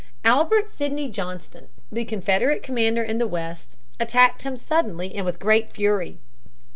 Albert Sidney Johnston, the Confederate commander in the West, attacked him suddenly and with great fury.